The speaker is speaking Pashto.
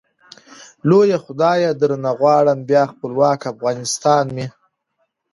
لويه خدايه درنه غواړم ، بيا خپلوک افغانستان مي